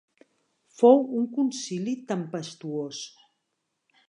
Fou un Concili tempestuós.